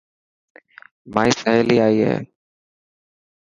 مائي سهيلي آئي هي.